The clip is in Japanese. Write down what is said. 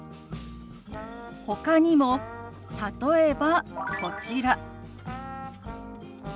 ほかにも例えばこちら。